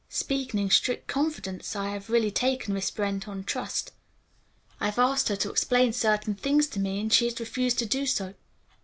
"Speaking in strict confidence, I have really taken Miss Brent on trust. I have asked her to explain certain things to me, and she has refused to do so.